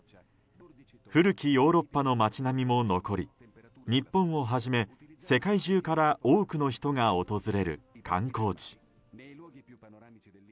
古きヨーロッパの街並みも残り日本をはじめ世界中から多くの人が訪れる観光地。